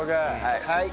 はい。